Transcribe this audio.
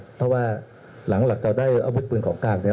เพราะว่าหลังหลักตอนได้อาวุฒิปืนของกากเนี่ย